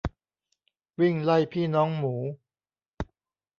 วิ่งไล่พี่น้องหมู